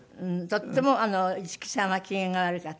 とっても五木さんは機嫌が悪かった。